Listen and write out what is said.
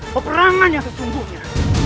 peperangan yang sesungguhnya